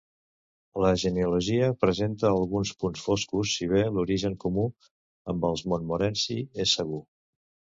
La genealogia presenta alguns punts foscos si bé l'origen comú amb els Montmorency és segur.